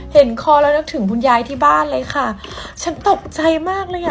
เห็นคอแล้วนึกถึงคุณยายที่บ้านเลยค่ะฉันตกใจมากเลยอ่ะ